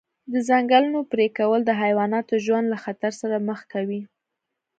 د ځنګلونو پرېکول د حیواناتو ژوند له خطر سره مخ کوي.